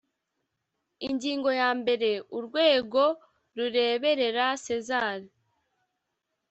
ingingo yambere urwego rureberera sezar